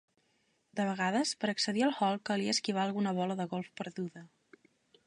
De vegades, per accedir al hall calia esquivar alguna bola de golf perduda.